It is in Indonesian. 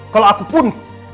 kalau aku pun